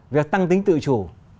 việc tăng tính tự chủ